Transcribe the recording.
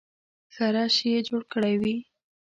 ښه رش یې جوړ کړی وي.